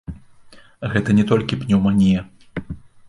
Гэта не толькі пнеўманія.